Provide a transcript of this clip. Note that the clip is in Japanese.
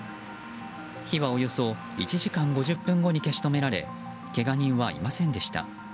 火はおよそ１時間５０分後に消し止められけが人はいませんでした。